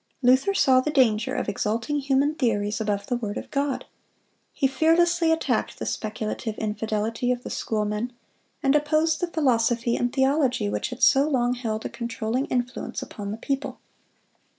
Luther saw the danger of exalting human theories above the word of God. He fearlessly attacked the speculative infidelity of the schoolmen, and opposed the philosophy and theology which had so long held a controlling influence upon the people.